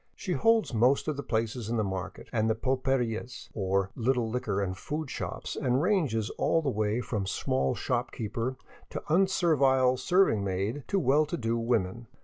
She holds most of the places in the market and the pulperias, or little liquor and food shops, and ranges all the way from small shopkeeper to un servile serving maid to well to do women.